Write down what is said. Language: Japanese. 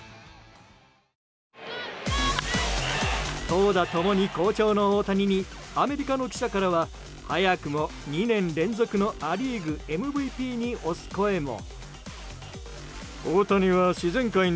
投打ともに好調の大谷にアメリカの記者からは早くも２年連続のア・リーグＭＶＰに推す声も。